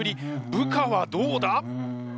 部下はどうだ！？